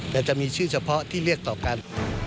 แต่จะมีชื่อเฉพาะที่เรียกต่อกัน